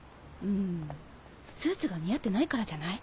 んスーツが似合ってないからじゃない？